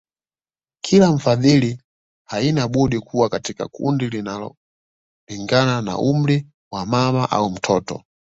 Kila mfadhili haina budi kuwa katika kundi linalolingana na umri wa mama au mtoto